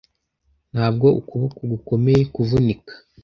ntabwo ukuboko gukomeye kuvunika